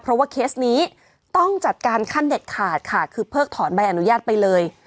เพราะว่าเคสนี้ต้องจัดการขั้นเด็ดขาดค่ะคือเพิกถอนใบอนุญาตไปเลย